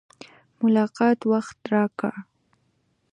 ملاقات وخت راکړ.